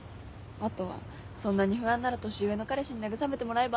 あとはそんなに不安なら年上の彼氏に慰めてもらえば？